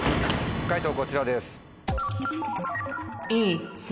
解答こちらです。